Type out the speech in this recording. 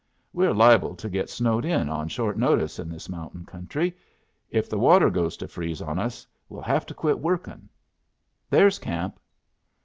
We're liable to get snowed in on short notice in this mountain country. If the water goes to freeze on us we'll have to quit workin'. There's camp."